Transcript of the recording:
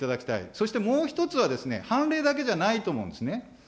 そしてもう一つは判例だけじゃないと思うんですね。